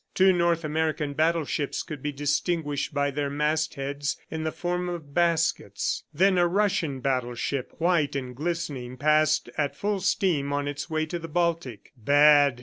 Two North American battleships could be distinguished by their mast heads in the form of baskets. Then a Russian battleship, white and glistening, passed at full steam on its way to the Baltic. "Bad!"